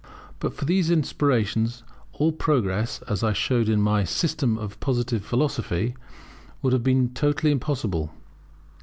But for these inspirations, all progress, as I showed in my System of Positive Philosophy, would have been totally impossible.